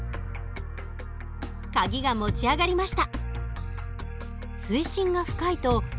鍵が持ち上がりました。